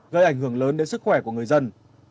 gây ảnh hưởng lớn đến sức khỏe của người dân